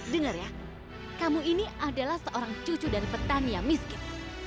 dengar ya kamu ini adalah seorang cucu dan petani yang miskin